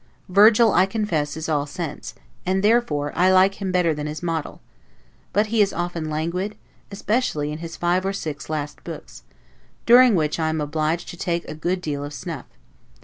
Virgil, I confess, is all sense, and therefore I like him better than his model; but he is often languid, especially in his five or six last books, during which I am obliged to take a good deal of snuff.